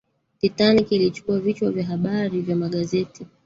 titanic ilichukua vichwa vya habari vya magazeti